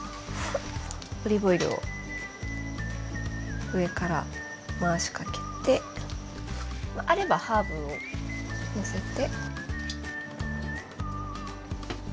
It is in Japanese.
オリーブオイルを上から回しかけてあればハーブをのせて。